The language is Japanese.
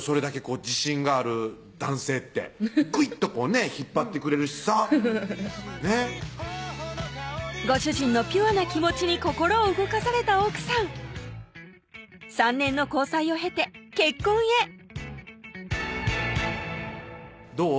それだけ自信がある男性ってぐいっとこうね引っ張ってくれるしさねっご主人のピュアな気持ちに心を動かされた奥さん３年の交際を経て結婚へどう？